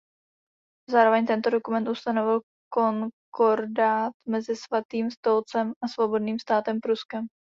Zároveň tento dokument ustanovil konkordát mezi Svatým stolcem a Svobodným státem Pruskem.